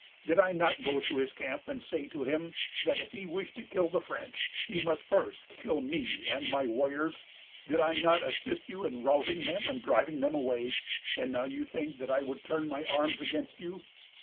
Did I not go to his camp, and say to him, that if he wished to kill the French, he must first kill me and my warriors? Did I not assist you in routing them and driving them away? And now you think that I would turn my arms against you!